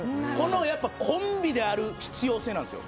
やっぱコンビである必要性なんですよ。